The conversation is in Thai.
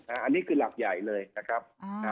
อันนี้คือหลักใหญ่เลยนะครับ